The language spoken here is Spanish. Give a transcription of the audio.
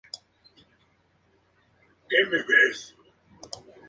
Juntos logran con un truco legal, que el asunto llegue a los tribunales.